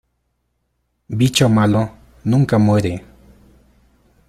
Bicho malo nunca muere.